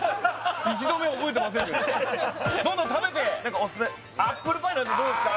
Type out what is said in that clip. １度目覚えてませんけどどんどん食べて何かオススメアップルパイなんてどうですか？